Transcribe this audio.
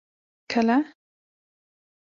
کله.